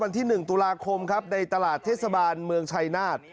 วันที่๑ตุลาคมครับในตลาดเทศบาลเมืองชัยนาธ